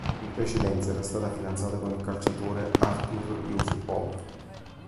In precedenza era stata fidanzata con il calciatore Artur Jusupov.